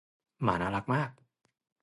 หมาน่ารักมาก